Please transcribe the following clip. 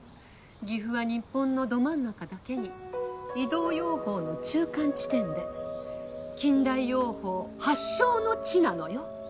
岐阜は日本のど真ん中だけに移動養蜂の中間地点で近代養蜂発祥の地なのよ。